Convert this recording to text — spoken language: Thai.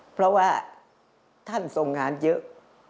เพราะว่าท่านทรงงานเยอะ